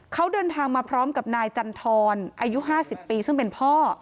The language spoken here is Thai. เขาเดินทางมาพร้อมกับนายจันทรอายุ๕๐ปีซึ่งเป็นพ่อ